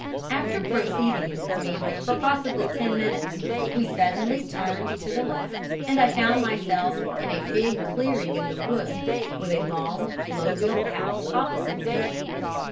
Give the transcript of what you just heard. After proceeding in this manner for possibly ten minutes, we suddenly turned to the left, and I found myself in a big clearing in the wood, with a long, low built house opposite me.